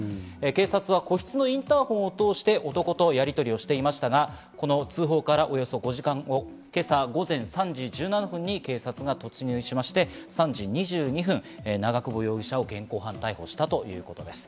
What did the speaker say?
警察は個室のインターホンを通して男とやりとりをしていましたが、この通報からおよそ５時間後、今朝午前３時１７分に警察が突入しまして、３時２２分、長久保容疑者を現行犯逮捕したということです。